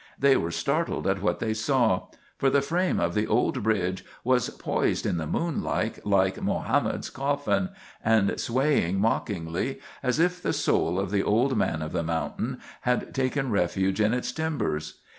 They were startled at what they saw; for the frame of the old bridge was poised in the moonlight like Mohammed's coffin, and swaying mockingly, as if the soul of the old man of the mountain had taken refuge in its timbers.